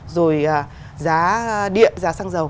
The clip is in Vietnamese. rồi giá điện giá xăng dầu